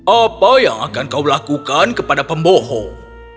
apa yang akan kau lakukan kepada pembohong